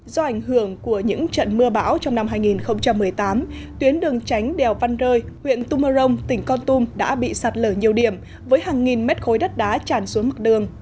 do ảnh hưởng của những trận mưa bão trong năm hai nghìn một mươi tám tuyến đường tránh đèo văn rơi huyện tumorong tỉnh con tum đã bị sạt lở nhiều điểm với hàng nghìn mét khối đất đá tràn xuống mặt đường